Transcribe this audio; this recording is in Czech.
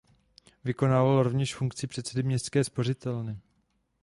Vykonával rovněž funkci předsedy městské spořitelny.